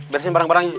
beresin barang barang ya